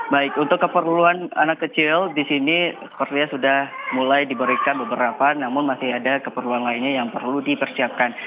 baik untuk keperluan anak kecil di sini korea sudah mulai diberikan beberapa namun masih ada keperluan lainnya yang perlu dipersiapkan